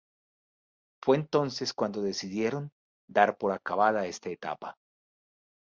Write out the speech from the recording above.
Fue entonces cuando decidieron dar por acabada esta etapa.